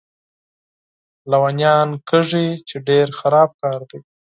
لیونیان کېږي، چې ډېر خراب کار دی.